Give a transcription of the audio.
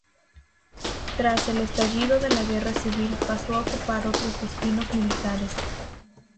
Tras el estallido de la Guerra civil pasó a ocupar otros destinos militares.